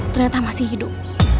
ternyata masih hidup